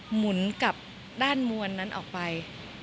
หมุนกับด้านมวลนั้นออกไป